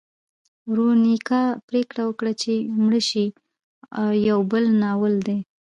ورونیکا پریکړه وکړه چې مړه شي یو بل ناول دی.